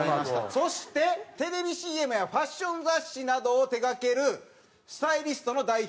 そしてテレビＣＭやファッション雑誌などを手がけるＳＴＹＬＩＳＴＥの代表